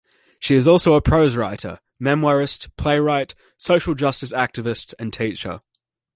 She is also a prose writer, memoirist, playwright, social justice activist and teacher.